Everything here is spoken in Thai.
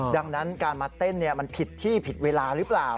ดังนั้นการมาเต้นมันผิดที่ผิดเวลาหรือเปล่า